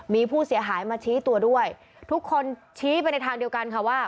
มีผู้เสียหายมาชี้ตัวด้วยทุกคนชี้ไปในทางเดียวกันค่ะว่า